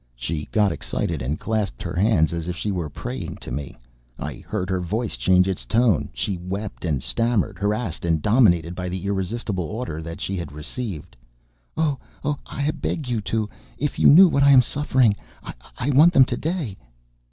She got excited and clasped her hands as if she were praying to me! I heard her voice change its tone; she wept and stammered, harassed and dominated by the irresistible order that she had received. "Oh! oh! I beg you to ... if you knew what I am suffering.... I want them to day."